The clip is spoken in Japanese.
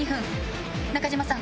中島さん。